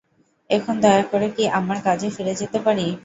এখন দয়া করে কি আমার কাজে ফিরে যেতে পারি?